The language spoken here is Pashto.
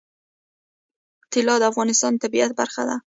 طلا د افغانستان د طبیعت برخه ده.